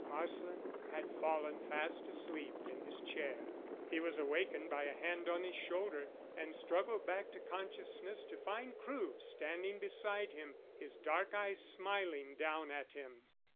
Marsland had fallen fast asleep in his chair. He was awakened by a hand on his shoulder, and struggled back to consciousness to find Crewe standing beside him, his dark eyes smiling down at him.